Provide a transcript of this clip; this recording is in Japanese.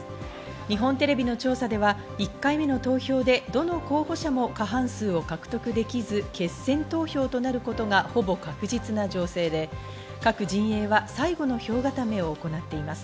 日本テレビの調査では１回目の投票でどの候補者も過半数を獲得できず決選投票となることがほぼ確実な情勢で、各陣営は最後の票固めを行っています。